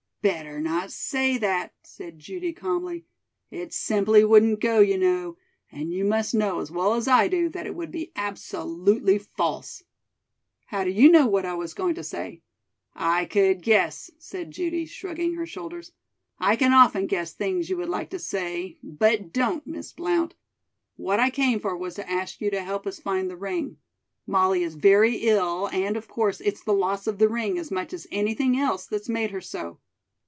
"Better not say that," said Judy calmly. "It simply wouldn't go, you know, and you must know as well as I do that it would be absolutely false." "How do you know what I was going to say?" "I could guess," said Judy, shrugging her shoulders. "I can often guess things you would like to say, but don't, Miss Blount. What I came for was to ask you to help us find the ring. Molly is very ill, and, of course, it's the loss of the ring as much as anything else that's made her so.